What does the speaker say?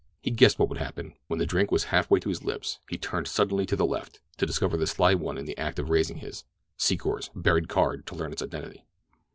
He guessed what would happen. When the drink was half way to his lips he turned suddenly to the left to discover the sly one in the act of raising his, Secor's, buried card to learn its identity.